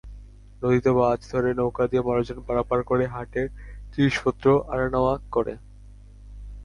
নদীতে মাছ ধরে, নৌকা দিয়ে মানুষজন পারাপার করে, হাটের জিনিসপত্র আনা-নেওয়া করে।